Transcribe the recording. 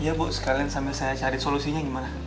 iya bu sekalian sambil saya cari solusinya gimana